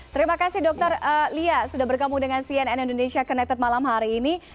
terima kasih dokter lia sudah bergabung dengan cnn indonesia connected malam hari ini